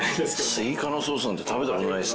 スイカのソースなんて食べた事ないですね。